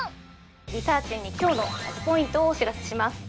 リサーちんに今日のＢＵＺＺポイントをお知らせします